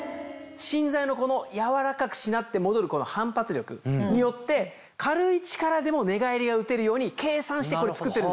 芯材のこの柔らかくしなって戻るこの反発力によって軽い力でも寝返りがうてるように計算してこれ作ってるんですよ。